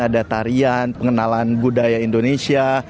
ada tarian pengenalan budaya indonesia